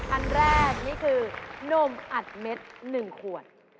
อันแรกนี่คือนมอัดเม็ด๑ขวด